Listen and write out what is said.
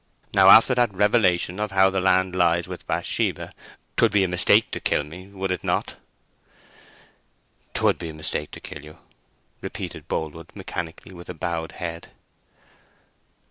Now after that revelation of how the land lies with Bathsheba, 'twould be a mistake to kill me, would it not?" "'Twould be a mistake to kill you," repeated Boldwood, mechanically, with a bowed head.